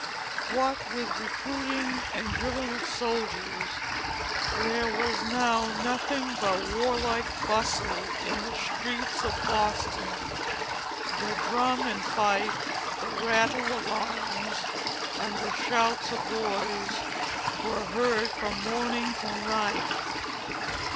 What with recruiting and drilling of soldiers, there was now nothing but warlike bustle in the streets of Boston. The drum and fife, the rattle of arms, and the shouts of boys, were heard from morning till night.